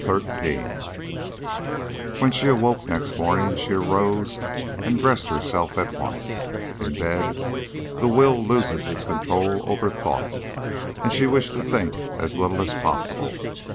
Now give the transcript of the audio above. XIII When she awoke next morning she arose and dressed herself at once: in bed the will loses its control over thought, and she wished to think as little as possible.